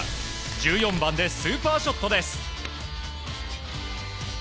１４番でスーパーショットです。